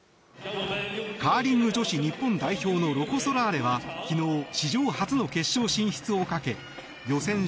カーリング女子日本代表のロコ・ソラーレは昨日、史上初の決勝進出をかけ予選